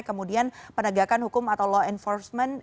kemudian penegakan hukum atau law enforcement